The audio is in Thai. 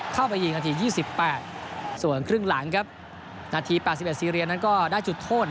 เข้าไปยิงนาที๒๘ส่วนครึ่งหลังครับนาที๘๑ซีเรียนั้นก็ได้จุดโทษ